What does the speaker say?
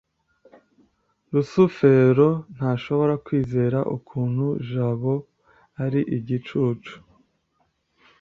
rusufero ntashobora kwizera ukuntu jabo ari igicucu